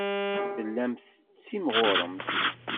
Tellamt tettimɣuremt.